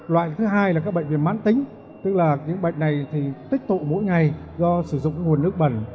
loại thứ hai là các bệnh về mán tính tức là những bệnh này thì tích tụ mỗi ngày do sử dụng nguồn nước bẩn